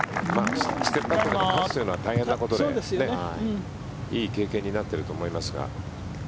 ステップ・アップで勝つのは大変なことでいい経験になっていると思いますが。